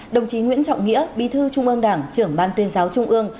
đồng chí nguyễn trọng nghĩa bí thư trung ương đảng trưởng ban tuyên giáo trung ương